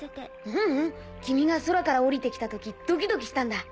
ううん君が空から降りて来た時ドキドキしたんだ。